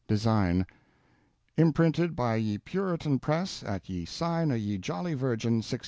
[design] Imprinted by Ye Puritan Press At Ye Sign of Ye Jolly Virgin 1601.